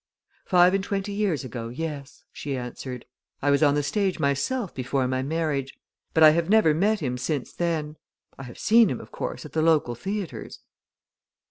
"Five and twenty years ago yes," she answered. "I was on the stage myself before my marriage. But I have never met him since then. I have seen him, of course, at the local theatres."